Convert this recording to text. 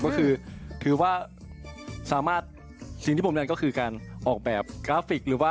ก็คือซอบสมมติคือการออกแบบกราฟิก